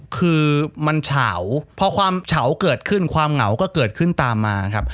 คือมันเฉาพอความเฉาเกิดขึ้นความเหงาก็เกิดขึ้นตามมาครับ